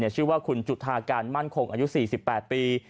ชื่อว่าคุณจุธาการมั่นคงอายุ๔๘ปี